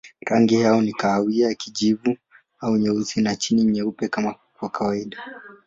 Rangi yao ni kahawia, kijivu au nyeusi na chini nyeupe kwa kawaida.